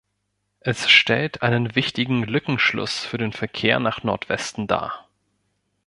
Es stellt einen wichtigen Lückenschluss für den Verkehr nach Nordwesten dar.